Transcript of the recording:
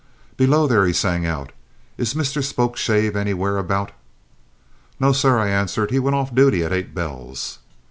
"Below there!" he sang out. "Is Mr Spokeshave anywhere about?" "No, sir," I answered. "He went off duty at eight bells."